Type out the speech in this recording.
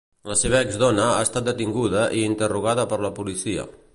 La seva ex-dona ha estat detinguda i interrogada per la policia.